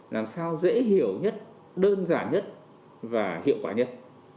làm sao dễ hiểu nhất đơn giản nhất và hiệu quả nhất